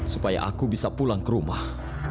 supaya aku bisa pulang ke rumah